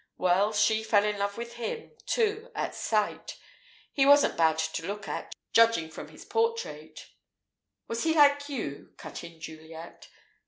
Well, she fell in love with him, too, at sight. He wasn't bad to look at, judging from his portrait " "Was he like you?" cut in Juliet.